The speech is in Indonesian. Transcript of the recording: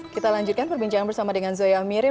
kita lanjutkan perbincangan bersama dengan zoya amirin